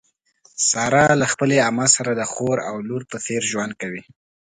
ساره له خپلې عمه سره د خور او لور په څېر ژوند کوي.